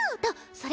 それ！